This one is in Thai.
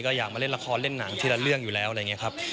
ก็อยากมาเล่นละครเล่นหนังทีละเรื่องอยู่แล้วอะไรอย่างนี้ครับ